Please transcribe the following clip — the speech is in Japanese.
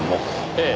ええ。